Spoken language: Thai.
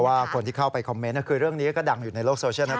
ว่าคนที่เข้าไปคอมเมนต์คือเรื่องนี้ก็ดังอยู่ในโลกโซเชียลนะ